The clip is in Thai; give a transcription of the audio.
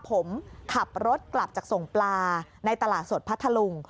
ผมขับรถกลับจากส่งปลาในตลาดสดพัทธลุง